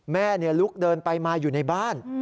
แม่ลุกเดินไปมาอยู่ในบ้าน